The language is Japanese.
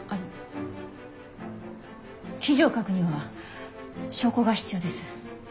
記事を書くには証拠が必要です。